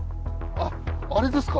あっあれですか？